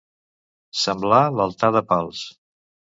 Semblar l'altar de Pals.